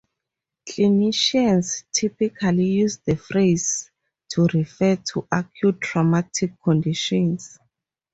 Clinicians typically use the phrase to refer to acute traumatic conditions.